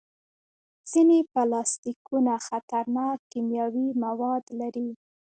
ځینې پلاستيکونه خطرناک کیمیاوي مواد لري.